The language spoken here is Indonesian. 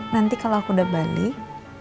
nanti kalau aku udah balik